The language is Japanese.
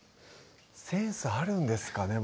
センスあるんですかね